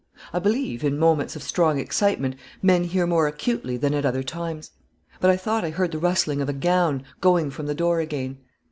I believe, in moments of strong excitement, men hear more acutely than at other times; but I thought I heard the rustling of a gown, going from the door again.